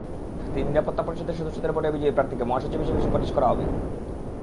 নিরাপত্তা পরিষদের সদস্যদের ভোটে বিজয়ী প্রার্থীকে মহাসচিব হিসেবে সুপারিশ করা হবে।